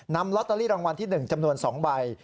นำลอตเตอรี่รางวัลที่๑จำนวน๒ใบ